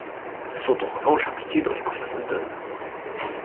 Elles sont en revanche impliquées dans les combats d'automne.